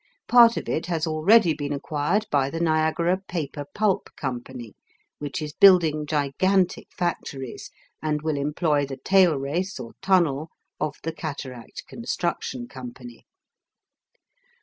Part of it has already been acquired by the Niagara Paper Pulp Company, which is building gigantic factories, and will employ the tailrace or tunnel of the Cataract Construction Company.